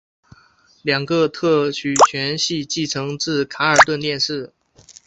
两个特许权系继承自卡尔顿电视。